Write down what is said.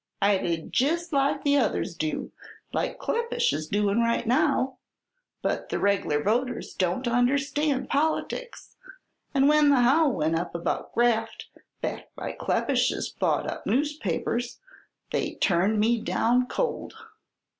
I did jest like the others do like Kleppish is doin' right now but the reg'lar voters don't understand politics, and when the howl went up about graft, backed by Kleppish's bought up newspapers, they turned me down cold.